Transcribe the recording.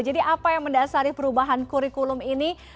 jadi apa yang mendasari perubahan kurikulum ini